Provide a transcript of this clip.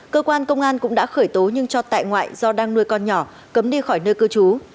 cơ quan công an cũng đã khởi tố nhưng cho tại ngoại do đang nuôi con nhỏ cấm đi khỏi nơi cư trú